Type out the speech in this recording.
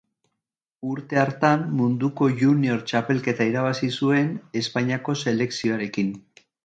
Urte hartan Munduko Junior Txapelketa irabazi zuen Espainiako selekzioarekin.